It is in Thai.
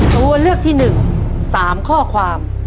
ตัวเลือกที่๑๓ข้อความ